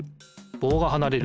ぼうがはなれる。